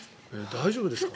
大丈夫ですか？